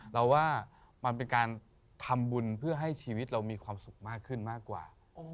เราว่ามันเป็นการทำบุญเพื่อให้ชีวิตเรามีความสุขมากขึ้นมากกว่า